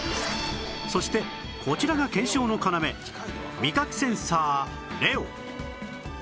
そしてこちらが検証の要味覚センサーレオ